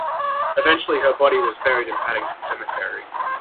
Eventually her body was buried in Paddington cemetery.